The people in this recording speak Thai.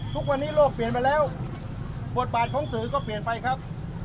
ทุกวันนี้โลกเปลี่ยนไปแล้วบทบาทของสื่อก็เปลี่ยนไปครับ